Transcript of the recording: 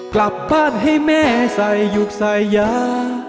กลับบ้านให้แม่ใส่อยู่ใส่ยา